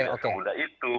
jadi tidak semudah itu